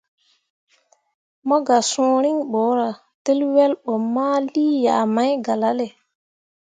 Mo gah sũũ riŋ borah tǝl wel bo ma lii yah mai galale.